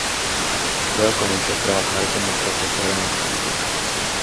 Luego comenzó a trabajar como profesora en St.